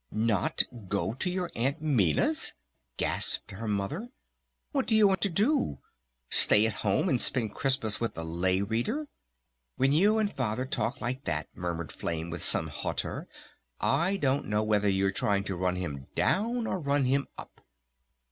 "Not go to your Aunt Minna's?" gasped her Mother. "What do you want to do?... Stay at home and spend Christmas with the Lay Reader?" "When you and Father talk like that," murmured Flame with some hauteur, "I don't know whether you're trying to run him down ... or run him up."